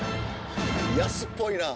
安っぽいなぁ。